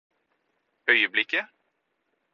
øyeblikket